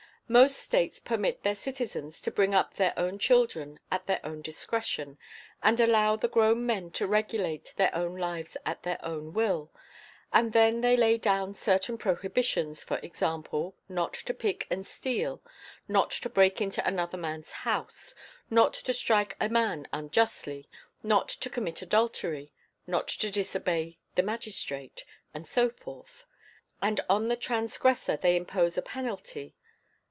Most states permit their citizens to bring up their own children at their own discretion, and allow the grown men to regulate their own lives at their own will, and then they lay down certain prohibitions, for example, not to pick and steal, not to break into another man's house, not to strike a man unjustly, not to commit adultery, not to disobey the magistrate, and so forth; and on the transgressor they impose a penalty.